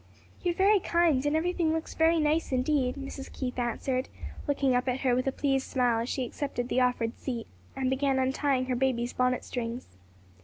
"You are very kind, and everything looks very nice indeed," Mrs. Keith answered, looking up at her with a pleased smile as she accepted the offered seat, and began untying her baby's bonnet strings.